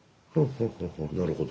なるほど。